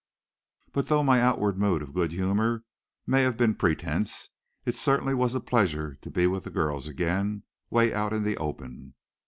But though my outward mood of good humor may have been pretense, it certainly was a pleasure to be with the girls again way out in the open.